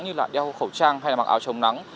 như là đeo khẩu trang hay là mặc áo chống nắng